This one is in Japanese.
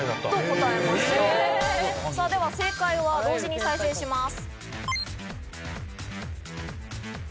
では正解は同時に再生します。